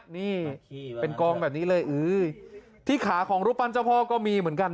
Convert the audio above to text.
นี่เป็นกองแบบนี้เลยที่ขาของรูปปั้นเจ้าพ่อก็มีเหมือนกัน